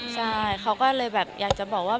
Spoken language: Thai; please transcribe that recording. ใช่เขาก็เลยแบบอยากจะบอกว่า